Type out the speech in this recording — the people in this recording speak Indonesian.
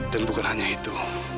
dan bukan hanya itu